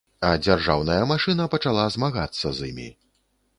А дзяржаўная машына пачала змагацца з імі.